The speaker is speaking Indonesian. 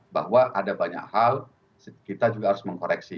bahwa ada banyak hal kita juga harus mengkoreksi